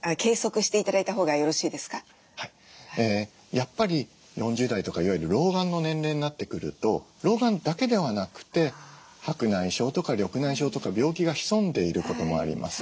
やっぱり４０代とかいわゆる老眼の年齢になってくると老眼だけではなくて白内障とか緑内障とか病気が潜んでいることもあります。